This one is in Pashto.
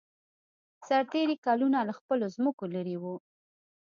سرتېري کلونه له خپلو ځمکو لېرې وو.